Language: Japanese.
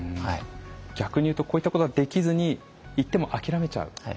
逆に言うとこういったことができずに行っても諦めちゃう。